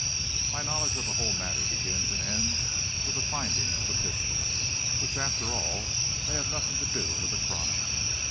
My knowledge of the whole matter begins and ends with the finding of the pistol, which after all, may have nothing to do with the crime.